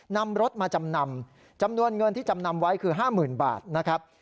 นำรถมาจำนำจำนวนเงินที่จำนำไว้คือ๕๐๐๐บาทนะครับ